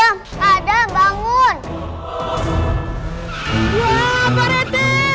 wah pak rete